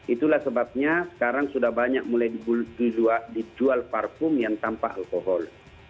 itulah sebabnya sekarang sudah banyak mulai dijual parfum yang tanpa alkohol